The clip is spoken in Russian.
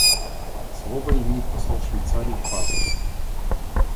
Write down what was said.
Слово имеет посол Швейцарии Фазель.